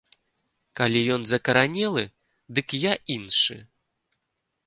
Калі ён закаранелы, дык я іншы.